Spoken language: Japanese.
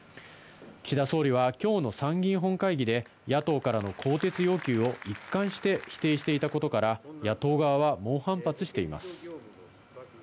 岸田総理はきょうの参議院本会議で、野党からの更迭要求を一貫して否定していたことから、野党側は猛反発しています。